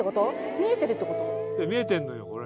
見えてんのよこれ。